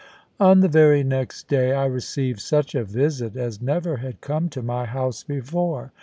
On the very next day, I received such a visit as never had come to my house before.